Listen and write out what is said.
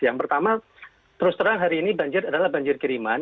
yang pertama terus terang hari ini banjir adalah banjir kiriman